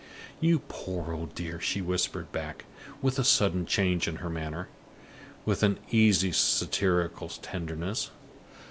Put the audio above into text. "You poor old dear!" she whispered back, with a sudden change in her manner, with an easy satirical tenderness.